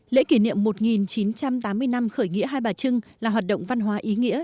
lễ kỷ niệm một nghìn chín trăm tám mươi năm khởi nghĩa hai bà trưng là hoạt động văn hóa ý nghĩa